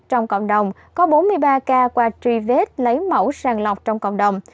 trong cộng đồng có bốn mươi ba ca qua truy vết lấy mẫu sàng lọc trong cộng đồng